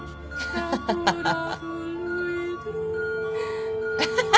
アハハハ。